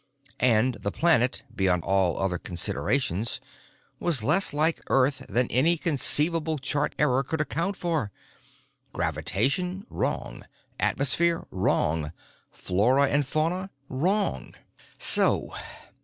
And the planet, beyond all other considerations, was less like Earth than any conceivable chart error could account for. Gravitation, wrong; atmosphere, wrong; flora and fauna, wrong. So.